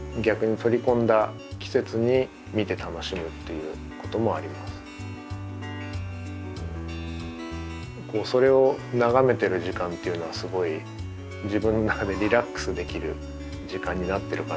それを眺めてる時間っていうのはすごい自分の中でリラックスできる時間になってるかなと思います。